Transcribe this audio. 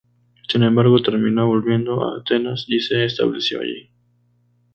Sin embargo, terminó volviendo a Atenas, y se estableció allí.